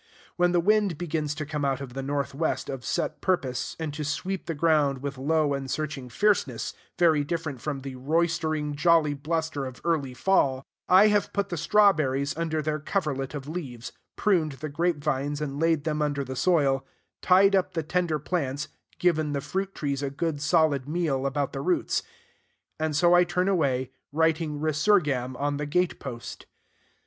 When the wind begins to come out of the northwest of set purpose, and to sweep the ground with low and searching fierceness, very different from the roistering, jolly bluster of early fall, I have put the strawberries under their coverlet of leaves, pruned the grape vines and laid them under the soil, tied up the tender plants, given the fruit trees a good, solid meal about the roots; and so I turn away, writing Resurgam on the gatepost.